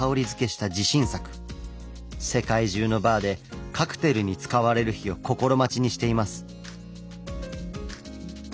世界中のバーでカクテルに使われる日を心待ちにしています。